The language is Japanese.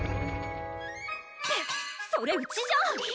ってそれうちじゃん！